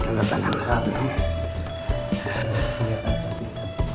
silahkan kang dasip